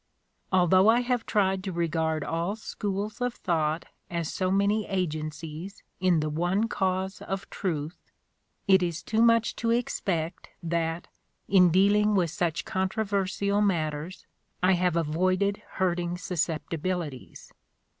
Although I have tried to regard all schools of thought as so many agencies in the one cause of truth, it is too much to expect that, in dealing with such controversial matters, I have avoided hurting susceptibilities.